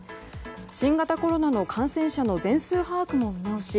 新型コロナの感染者の全数把握も見直し